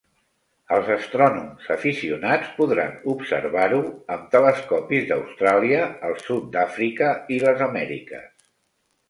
Els astrònoms aficionats podran observar-ho amb telescopis d'Austràlia, el sud d'Àfrica i les Amèriques.